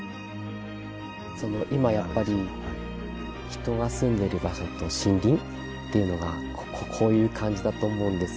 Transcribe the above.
今やっぱり人が住んでる場所と森林っていうのがこういう感じだと思うんです。